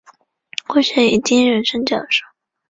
故事以第一人称讲述。